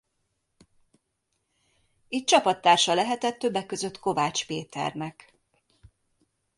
Itt csapattársa lehetett többek között Kovács Péternek.